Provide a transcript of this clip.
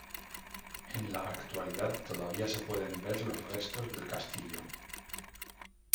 En la actualidad todavía se pueden ver los restos del castillo.